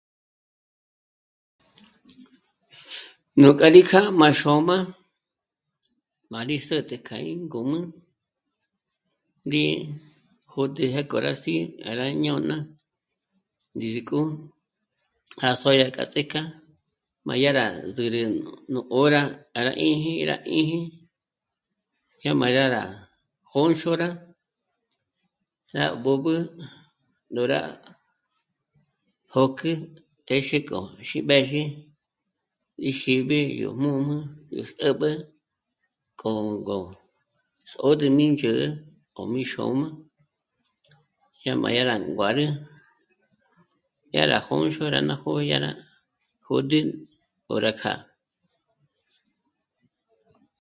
Núkja rí kjâ'a má xôm'a má rí s'ä́t'ä kja íngǔm'ü rí jôd'ü pjék'o rá sí'i, rá ñôna, ndízik'o já sódya k'a ts'íjk'a má yá rá zǘrü nú hora rá 'éji, rá 'éji jyá má yá rá jônxora rá b'ǚb'ü ndóra jók'ü téxi k'o xíb'ë́zhi í xîbi yó mùjm'u yó s'ä̌b'ä k'ó'o ngó ndzôd'ü mí ndzhä̌'ä ó mí xôm'a jyá má rá nguârü, yá rá jônxora ná jó'o yá rá jôd'ü ó rá kjâ'a